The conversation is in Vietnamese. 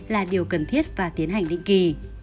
là điều cần thiết và tiến hành định kỳ